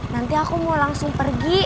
nanti aku mau langsung pergi